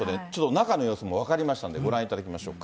中の様子も分かりましたんで、ご覧いただきましょう。